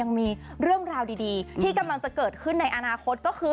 ยังมีเรื่องราวดีที่กำลังจะเกิดขึ้นในอนาคตก็คือ